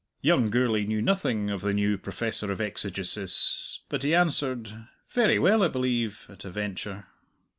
Young Gourlay knew nothing of the new Professor of Exegesis, but he answered, "Very well, I believe," at a venture.